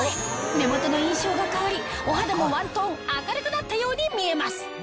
目元の印象が変わりお肌もワントーン明るくなったように見えます